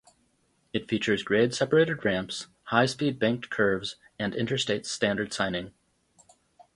It features grade separated ramps, high-speed banked curves, and interstate standard signing.